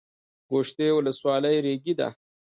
ګوشتې ولسوالۍ ریګي ده؟